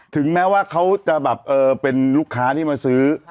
ถึงแม้ว่าเขาจะแบบเป็นลูกค้าที่มาซื้อ